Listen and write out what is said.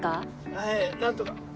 はい何とか。